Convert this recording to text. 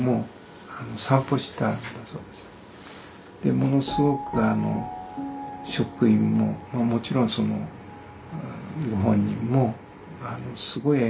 ものすごく職員ももちろんそのご本人もすごい笑顔で。